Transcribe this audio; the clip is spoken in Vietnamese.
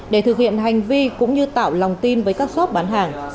để thực hiện hành vi cũng như tạo lòng tin với các shop bán hàng